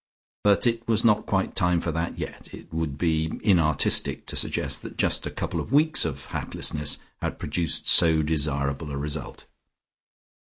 But it was not quite time for that yet: it would be inartistic to suggest that just a couple of weeks of hatlessness had produced so desirable a result.